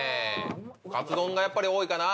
カツ丼がやっぱり多いかな。